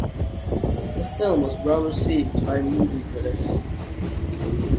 This film was well received by movie critics.